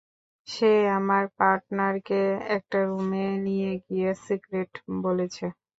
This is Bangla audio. সে আমার পার্টনারকে একটা রুমে নিয়ে গিয়ে সিক্রেট বলেছে।